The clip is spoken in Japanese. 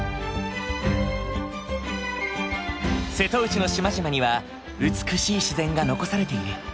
瀬戸内の島々には美しい自然が残されている。